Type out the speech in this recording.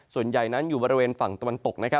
ส่วนใหญ่นั้นอยู่บริเวณฝั่งตะวันตก